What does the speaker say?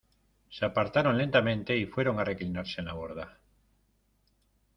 se apartaron lentamente y fueron a reclinarse en la borda.